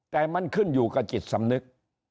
แต่มันขึ้นอยู่กับจิตสำนึก